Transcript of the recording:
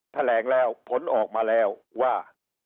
แถลงแล้วผลออกมาแล้วว่า